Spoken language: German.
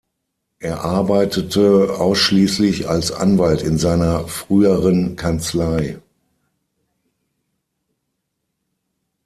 Er arbeitete ausschließlich als Anwalt in seiner früheren Kanzlei.